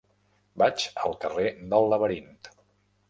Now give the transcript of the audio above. Vaig al carrer del Laberint.